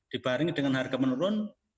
dibaring dengan harga menurun